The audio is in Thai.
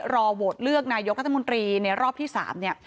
โหวตเลือกนายกรัฐมนตรีในรอบที่๓เนี่ย